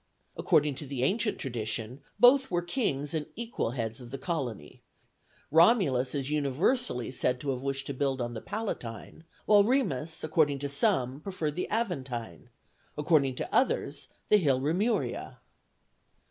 According to the ancient tradition, both were kings and the equal heads of the colony; Romulus is universally said to have wished to build on the Palatine, while Remus, according to some, preferred the Aventine; according to others, the hill Remuria.